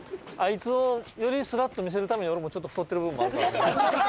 あいつをよりスラッと見せるために俺もちょっと太ってる部分もあるから。